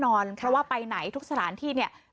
โดนโรงคนไทยใส่หน้ากากอนามัยป้องกันโควิด๑๙กันอีกแล้วค่ะ